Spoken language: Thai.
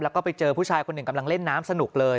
แล้วก็ไปเจอผู้ชายคนหนึ่งกำลังเล่นน้ำสนุกเลย